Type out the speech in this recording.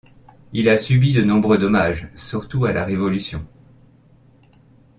Il a subi de nombreux dommages surtout à la Révolution.